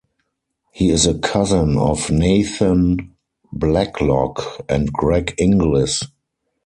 He is a cousin of Nathan Blacklock and Greg Inglis.